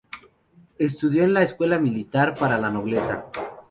Estudió en la escuela militar para la nobleza.